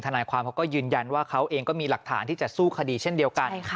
นายความเขาก็ยืนยันว่าเขาเองก็มีหลักฐานที่จะสู้คดีเช่นเดียวกัน